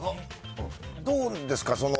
どうですか？